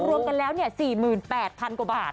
รวมกันแล้ว๔๘๐๐๐กว่าบาท